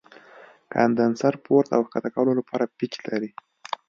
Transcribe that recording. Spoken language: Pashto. د کاندنسر پورته او ښکته کولو لپاره پیچ لري.